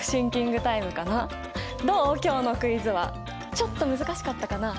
ちょっと難しかったかな？